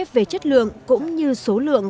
về chất lượng cũng như số lượng